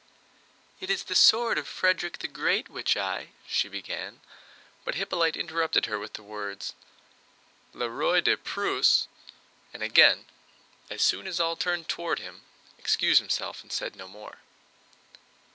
"It is the sword of Frederick the Great which I..." she began, but Hippolyte interrupted her with the words: "Le Roi de Prusse..." and again, as soon as all turned toward him, excused himself and said no more.